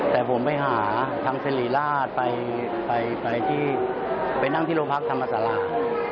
แต่ผมไปหาทางศรีราชไปนั่งที่โรงพักษณ์ธรรมศาลาฯ